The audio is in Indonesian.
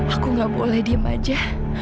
aku gak boleh diem aja